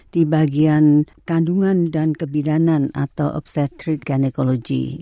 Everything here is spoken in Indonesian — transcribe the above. di bagian kandungan dan kebidanan atau obstetric gynecology